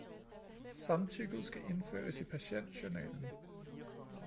Samtykket skal indføres i patientjournalen